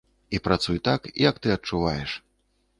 І працуй так, як ты адчуваеш.